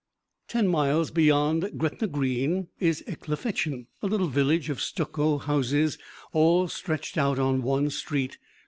Ten miles beyond Gretna Green is Ecclefechan a little village of stucco houses all stretched out on one street.